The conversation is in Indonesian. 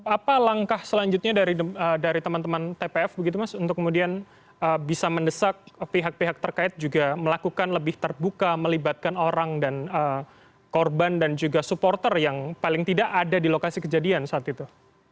apa langkah selanjutnya dari teman teman tpf begitu mas untuk kemudian bisa mendesak pihak pihak terkait juga melakukan lebih terbuka melibatkan orang dan korban dan juga supporter yang paling tidak ada di lokasi kejadian saat itu